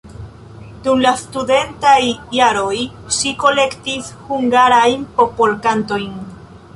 Dum la studentaj jaroj ŝi kolektis hungarajn popolkantojn.